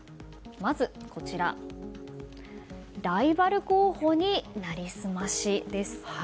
まず、ライバル候補に成り済ましです。